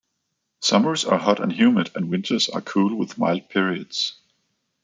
Summers are hot and humid, and winters are cool with mild periods.